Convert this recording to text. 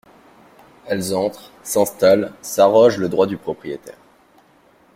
Elles entrent, s’installent, s’arrogent le droit du propriétaire.